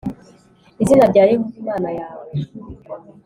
Izina rya yehova imana yawe